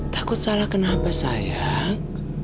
takut salah kenapa sayang